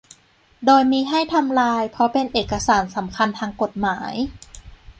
โดยมิให้ทำลายเพราะเป็นเอกสารสำคัญทางกฎหมาย